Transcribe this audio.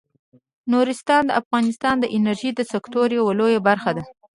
نورستان د افغانستان د انرژۍ د سکتور یوه لویه برخه ده.